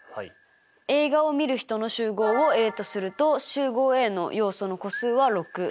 映画をみる人の集合をＡとすると集合Ａの要素の個数は６。